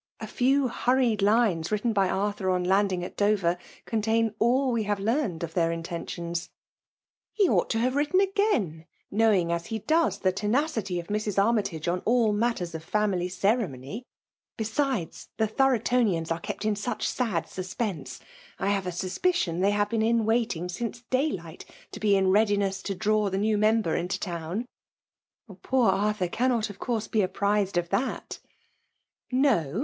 A few hurried lines written by Arthur on. laodi^ig 9^ Dover^ contain all we have learned of. thdr intentions.'' .,.,'' He ought to hare written agaio, Vp^^ving, jf» be does^ the tenacity of Mrs. Armytyige on an matters of family ceremony. Besides^ i^ Thorotonians are kept in such sad ^usgease ! I have a suspicion they have been in w^axtj^ since daylight to be in readiness to dr«w the new member into town." ',.'' Poor Arthiir cannot, of course, be apprized of that" " No